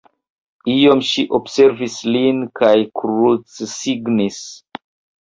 Iom ŝi observis lin kaj krucsignis.